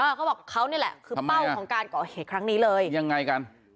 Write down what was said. เขาบอกเขานี่แหละคือเป้าของการก่อเหตุครั้งนี้เลยยังไงกัน